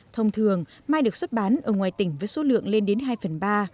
thông thường mai được xuất bán ở ngoài tỉnh với số lượng lên đến hai phần ba